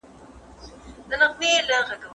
د لمانځه قضایي راګرځول د هغې د نېکۍ نښه وه.